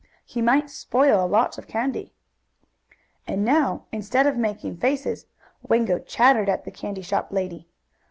He might spoil a lot of candy. And now, instead of making faces Wango chattered at the candy shop lady.